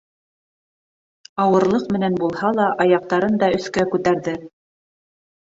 Ауырлыҡ менән булһа ла, аяҡтарын да өҫкә күтәрҙе.